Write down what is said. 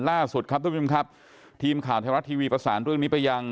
ล่าสุดครับทุกผู้ชมครับทีมข่าวไทยรัฐทีวีประสานเรื่องนี้ไปยัง